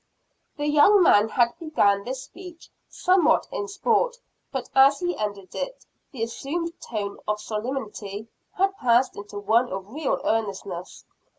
The young man had begun this speech somewhat in sport; but as he ended it, the assumed tone of solemnity had passed into one of real earnestness.